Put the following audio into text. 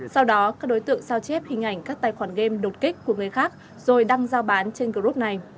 sau đó các đối tượng sao chép hình ảnh các tài khoản game đột kích của người khác rồi đăng giao bán trên group này